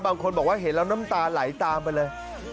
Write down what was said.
บางคนบอกว่าเห็นแล้วน้ำตาไหลตามไปเลย